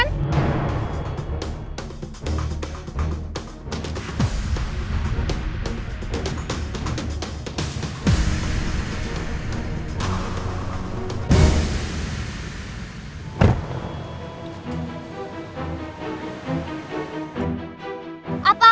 kita jadi jalan kan